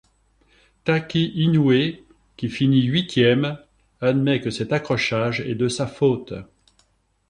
Taki Inoue, qui finit huitième, admet que cet accrochage est de sa faute.